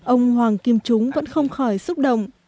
ông hoàng kim trúng vẫn không khỏi xúc động